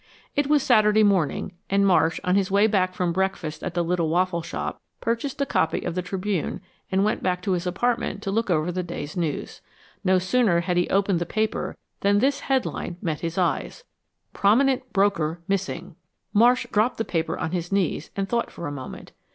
It was Saturday morning, and Marsh, on his way back from breakfast at the little waffle shop, purchased a copy of the Tribune and went back to his apartment to look over the day's news. No sooner had he opened the paper than this headline met his eyes: PROMINENT BROKER MISSING Marsh dropped the paper on his knees and thought for a moment.